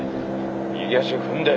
右足踏んで。